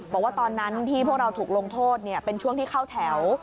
บอกว่าตอนนั้นที่พวกเราถูกลงโทษเป็นช่วงที่เข้าแถว